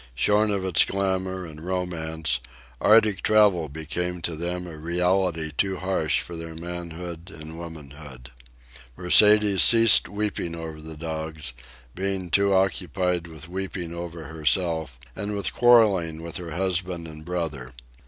Shorn of its glamour and romance, Arctic travel became to them a reality too harsh for their manhood and womanhood. Mercedes ceased weeping over the dogs, being too occupied with weeping over herself and with quarrelling with her husband and brother.